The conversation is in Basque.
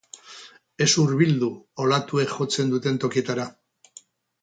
Ez hurbildu olatuek jotzen duten tokietara.